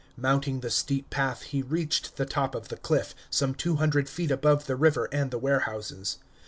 Mounting the steep path, he reached the top of the cliff, some two hundred feet above the river and the warehouses.